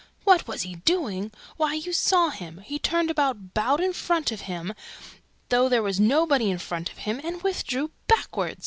"What was he doing? Why, you saw him! He turned about, BOWED IN FRONT OF HIM, THOUGH THERE WAS NOBODY IN FRONT OF HIM, AND WITHDREW BACKWARD."